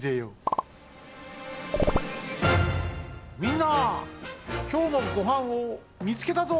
みんなきょうのごはんをみつけたぞ！